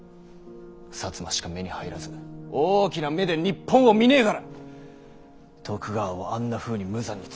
摩しか目に入らず大きな目で日本を見ねぇから徳川をあんなふうに無残に潰したんだ！